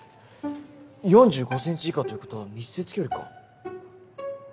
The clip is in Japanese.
４５センチ以下ということは密接距離か。